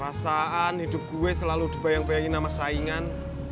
perasaan hidup gue selalu dibayang bayangin sama saingan